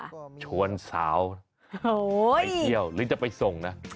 ก็ชวนสาวไปเที่ยวหรือจะไปส่งนะ